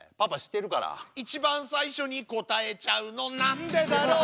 「一番最初に答えちゃうのなんでだろう」